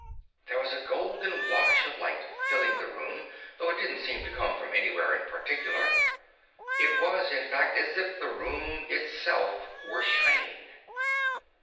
There was a golden wash of light filling the room, though it didn't seem to come from anywhere in particular. It was, in fact, as if the room itself were shining.